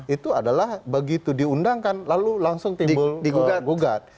itu adalah begitu diundangkan lalu langsung timbul digugat gugat